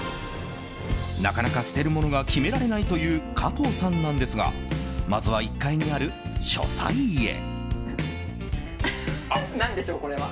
なかなか捨てるものが決められないという加藤さんなんですがまずは、１階にある書斎へ。